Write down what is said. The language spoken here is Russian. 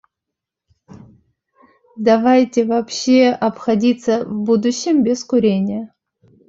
Давайте вообще обходиться в будущем без курения.